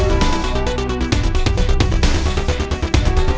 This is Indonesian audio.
kalau kalian jijik beverly